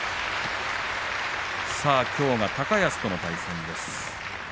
きょうは高安との対戦です。